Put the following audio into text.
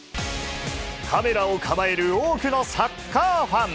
カメラを構える多くのサッカーファン。